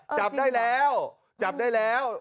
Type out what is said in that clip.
จับได้แล้วจับได้แล้ว